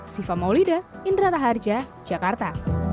siva maulida indra raharja jakarta